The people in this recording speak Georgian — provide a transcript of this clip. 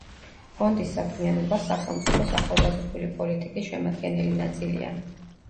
ფონდის საქმიანობა სახელმწიფოს ახალგაზრდული პოლიტიკის შემადგენელი ნაწილია.